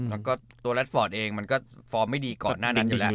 แล้วก็ตัวแรดฟอร์ตเองมันก็ฟอร์มไม่ดีก่อนหน้านั้นอยู่แล้ว